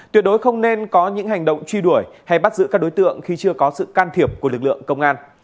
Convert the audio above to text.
tuyệt đối không nên có những hành động truy đuổi hay bắt giữ các đối tượng khi chưa có sự can thiệp của lực lượng công an